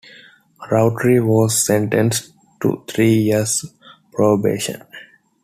Rountree was sentenced to three years probation.